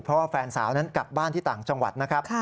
เพราะว่าแฟนสาวนั้นกลับบ้านที่ต่างจังหวัดนะครับ